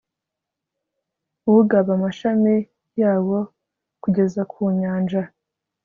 ugaba amashami yawo kugeza ku nyanja